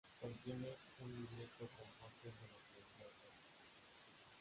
Contiene un libreto con fotos de los conciertos.